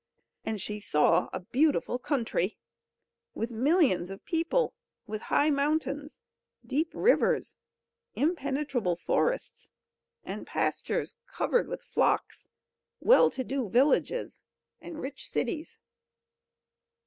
And she saw a beautiful country, with millions of people, with high mountains, deep rivers, impenetrable forests, and pastures covered with flocks, well to do villages, and rich cities.